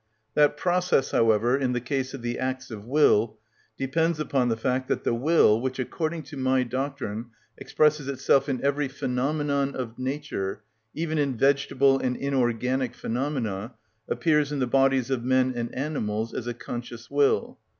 That process, however, in the case of the acts of will, depends upon the fact that the will, which, according to my doctrine, expresses itself in every phenomenon of nature, even in vegetable and inorganic phenomena, appears in the bodies of men and animals as a conscious will.